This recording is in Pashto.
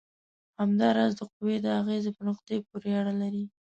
همدا راز د قوې د اغیزې په نقطې پورې اړه لري.